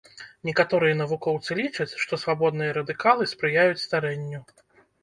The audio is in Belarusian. Некаторыя навукоўцы лічаць, што свабодныя радыкалы спрыяюць старэнню.